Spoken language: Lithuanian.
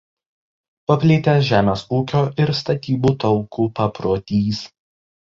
Paplitęs žemės ūkio ir statybų talkų paprotys.